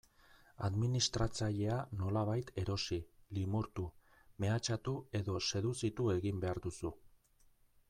Administratzailea nolabait erosi, limurtu, mehatxatu edo seduzitu egin behar duzu.